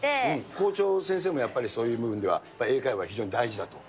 校長先生もやっぱりそういう部分では、やっぱり英会話、非常に大事だと？